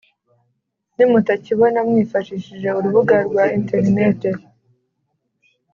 nimutakibona mwifashishe urubuga rwa interineti